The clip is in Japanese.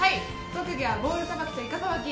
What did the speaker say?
特技はボール捌きといか捌き！